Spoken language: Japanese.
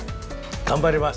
頑張ります。